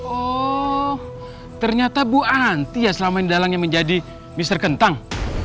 oh ternyata bu anti ya selama ini dalangnya menjadi mister kentang